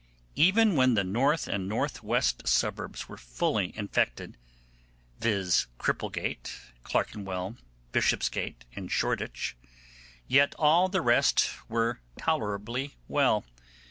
Even when the north and north west suburbs were fully infected, viz., Cripplegate, Clarkenwell, Bishopsgate, and Shoreditch, yet still all the rest were tolerably well.